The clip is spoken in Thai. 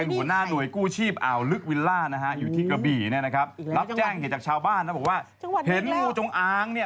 ไม่กลัวจงอ้าง